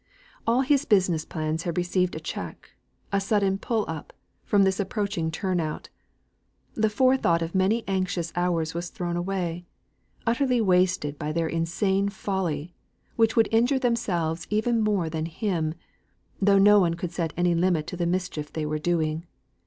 All his business plans had received a check, a sudden pull up, from this approaching turn out. The forethought of many anxious hours was thrown away, utterly wasted by their insane folly, which would injure themselves even more than him, though no one could set any limit to the mischief they were doing.